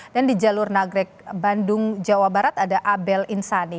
dan di jalur nagrek bandung jawa barat ada abel insani